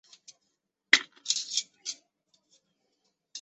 甘道夫与皮聘前往刚铎途中正好见到了烽火台被点燃。